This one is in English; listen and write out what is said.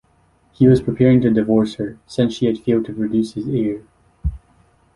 He was preparing to divorce her, since she had failed to produce his heir.